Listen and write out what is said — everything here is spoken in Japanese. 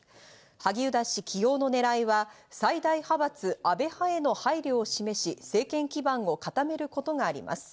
萩生田氏起用の狙いは最大派閥・安倍派への配慮を示し政権基盤を固めることがあります。